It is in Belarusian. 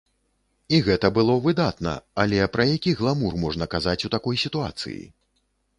І гэта было выдатна, але пра які гламур можна казаць у такой сітуацыі?